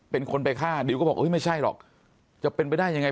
เป็นคนไปฆ่าดิวก็บอกไม่ใช่หรอกจะเป็นไปได้ยังไง